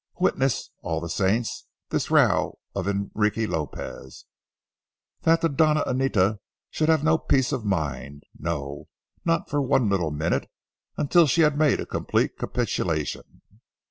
Witness, all the saints, this row of Enrique Lopez, that the Doña Anita should have no peace of mind, no, not for one little minute, until she had made a complete capitulation.